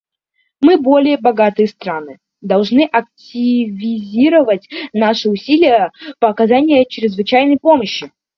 Мы, более богатые страны, должны активизировать наши усилия по оказанию чрезвычайной помощи.